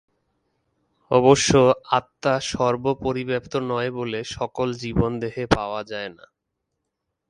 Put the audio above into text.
অবশ্য আত্মা সর্ব পরিব্যাপ্ত নয় বলে সকল জীবনদেহে পাওয়া যায় না।